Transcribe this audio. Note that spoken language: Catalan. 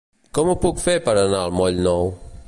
Com ho puc fer per anar al moll Nou?